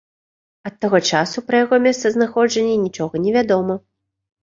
Ад таго часу пра яго месцазнаходжанне нічога невядома.